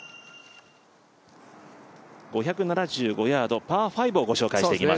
５７５ヤード、パー５を紹介していきます。